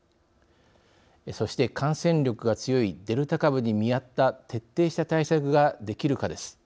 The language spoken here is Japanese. そして感染力が強いデルタ株に見合った徹底した対策ができるかです。